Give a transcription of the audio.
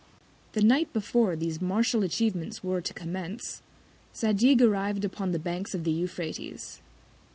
The Night before these martial Atchievements were to commence, Zadig arrived upon the Banks of the Euphrates.